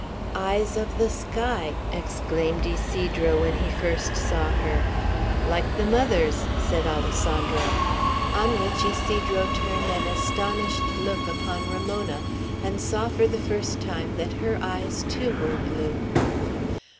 "Eyes of the sky," exclaimed Ysidro, when he first saw her. "Like the mother's," said Alessandro; on which Ysidro turned an astonished look upon Ramona, and saw for the first time that her eyes, too, were blue.